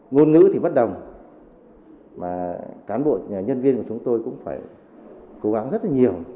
ngôn ngữ thì bất đồng mà cán bộ nhân viên của chúng tôi cũng phải cố gắng rất là nhiều